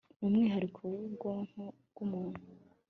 ni umwihariko w'ubwonko bw'umuntu